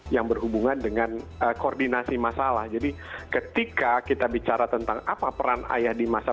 yang berhubungan dengan koordinasi masalah jadi ketika kita bicara tentang apa peran ayah di masa